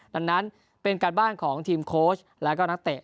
ดังนั้นเป็นการบ้านของทีมโค้ชแล้วก็นักเตะ